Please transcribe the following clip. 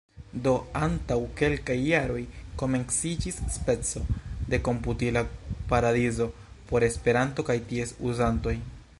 Do antaŭ kelkaj jaroj komenciĝis speco de komputila paradizo por Esperanto kaj ties uzantoj.